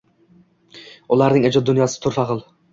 Ularning ijod dunyosi turfa xil.